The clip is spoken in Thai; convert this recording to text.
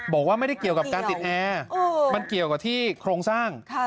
บอกว่าไม่ได้เกี่ยวกับการติดแอร์มันเกี่ยวกับที่โครงสร้าง